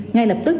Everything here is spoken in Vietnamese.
ngay lập tức